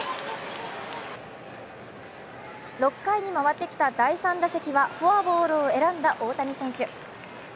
６回に回ってきた第３打席はフォアボールを選んだ大谷選手。